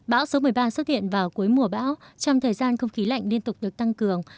bão số một mươi ba xuất hiện vào cuối mùa bão trong thời gian không khí lạnh liên tục được tăng cường